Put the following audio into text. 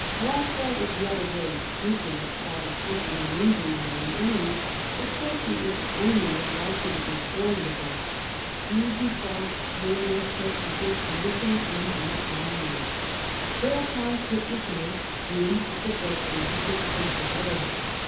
Walpole was never very scrupulous about inflicting an injury on an enemy, especially if the enemy was likely to be formidable. He deprived William Pitt of his commission in the army. Thereupon Pitt was made Oroom of the Bedchamber to the Prince of Wales.